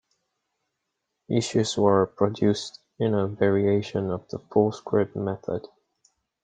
Issues were produced in a variation of the full script method.